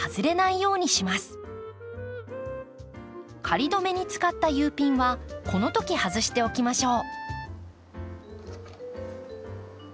仮止めに使ったＵピンはこの時外しておきましょう。